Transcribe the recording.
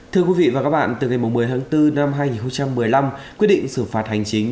thưa quý vị và các bạn từ ngày một mươi tháng bốn năm hai nghìn một mươi năm quyết định xử phạt hành chính